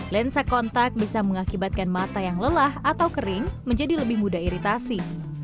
lensa kontak bisa mengakibatkan mata yang lelah atau kering menjadi lebih mudah iritasi